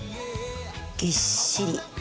ぎっしり。